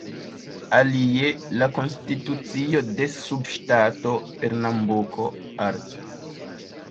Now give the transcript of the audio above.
Alie, la konstitucio de subŝtato Pernambuko, art.